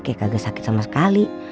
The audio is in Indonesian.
kayak kagak sakit sama sekali